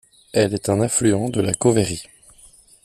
Elle est un affluent de la Cauvery.